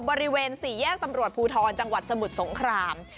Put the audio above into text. บริเวณ๔แยกตำรวจภูทรจังหวัดสมุทรสงคราม